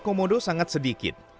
komodo sangat sedikit